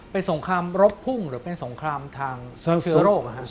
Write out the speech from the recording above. เป็นสงครามรถพุ่งหรือเป็นสงครามทางเชื้อโรค